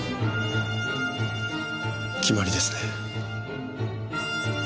決まりですね。